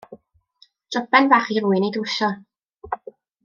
Joben fach i rywun ei drwsio.